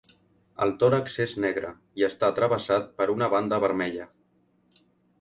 El tòrax és negre i està travessat per una banda vermella.